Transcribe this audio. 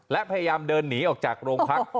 และพยายามเดินหนีออกจากโรงพัก